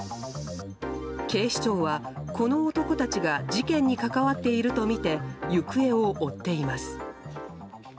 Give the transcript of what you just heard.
警視庁は、この男たちが事件に関わっているとみて行方を追っています。